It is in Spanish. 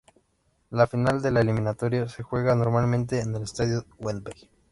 La final de la eliminatoria se juega normalmente en el Estadio de Wembley.